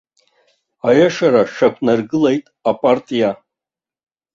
Аиашара шьақәнаргылеит апартиа.